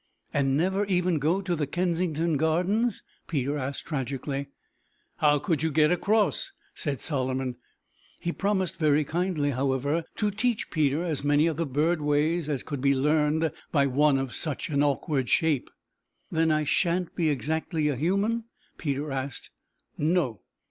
"And never even go to the Kensington Gardens?" Peter asked tragically. "How could you get across?" said Solomon. He promised very kindly, however, to teach Peter as many of the bird ways as could be learned by one of such an awkward shape. "Then I sha'n't be exactly a human?" Peter asked. "No."